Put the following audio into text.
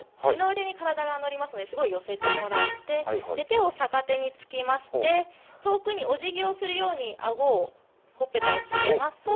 二の腕に体が乗りますので、すごい寄せてもらって、手を逆手につきまして、遠くにお辞儀をするように、あごを、ほっぺたをつけます。